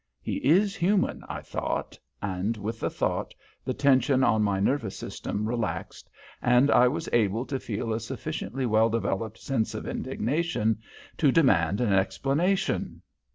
"He is human," I thought; and with the thought the tension on my nervous system relaxed, and I was able to feel a sufficiently well developed sense of indignation to demand an explanation.